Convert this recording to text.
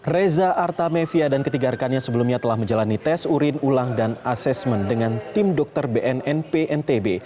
reza artamevia dan ketiga rekannya sebelumnya telah menjalani tes urin ulang dan asesmen dengan tim dokter bnnp ntb